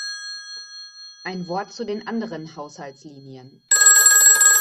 Ein Wort zu den anderen Haushaltslinien.